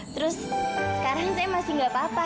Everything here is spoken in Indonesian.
terus sekarang saya masih gak apa apa